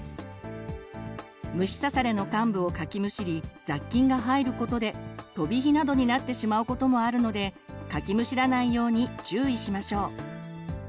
虫刺されの患部をかきむしり雑菌が入ることでとびひなどになってしまうこともあるのでかきむしらないように注意しましょう。